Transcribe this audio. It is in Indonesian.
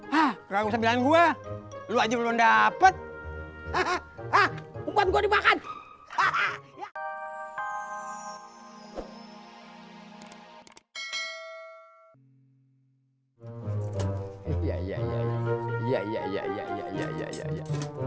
hah rangsa bilang gua lu aja belum dapet hahaha buat gue dibahas hahaha ya ya ya ya ya ya ya ya